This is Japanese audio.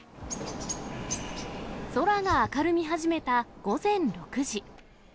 空が明るみ始めた午前６時。